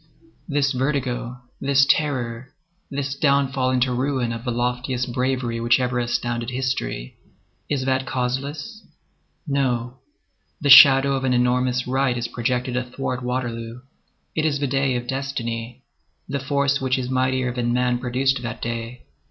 This vertigo, this terror, this downfall into ruin of the loftiest bravery which ever astounded history,—is that causeless? No. The shadow of an enormous right is projected athwart Waterloo. It is the day of destiny. The force which is mightier than man produced that day.